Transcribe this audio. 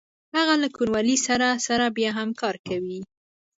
هغه له کوڼوالي سره سره بیا هم کار کوي